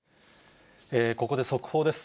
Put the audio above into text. ここで速報です。